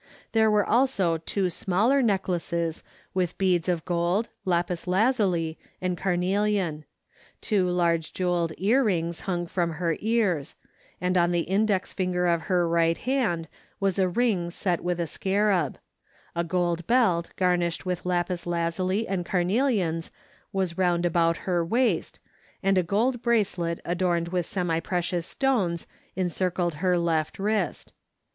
There were also two smaller necklaces with beads of gold, lapis lazuli, and carnelian; two large jewelled ear rings hung from her ears, and on the index finger of her right hand was a ring set with a scarab; a gold belt garnished with lapis lazuli and carnelians was bound about her waist and a gold bracelet adorned with semi precious stones encircled her left wrist.